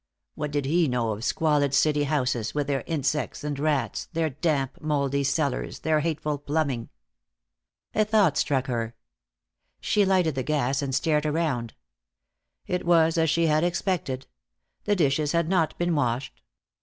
What did he know of squalid city houses, with their insects and rats, their damp, moldy cellars, their hateful plumbing? A thought struck her. She lighted the gas and stared around. It was as she had expected. The dishes had not been washed.